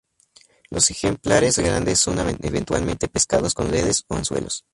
Los ejemplares grandes son eventualmente pescados con redes o anzuelos.